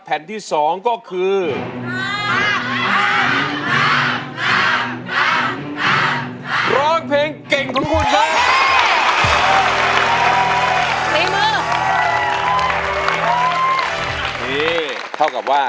แผ่นที่๒ก็คือ